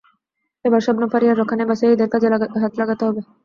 এবার শবনম ফারিয়ার রক্ষা নেই, বাসায় ঈদের কাজে হাত লাগাতে হবে।